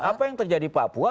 apa yang terjadi di papua